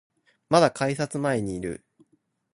まだ改札前にいる